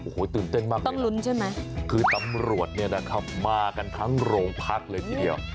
โหต้นเต้นมากเลยนะนะคือตำรวจนะค้ะมากันทั้งโรงพักเลยทีเดียว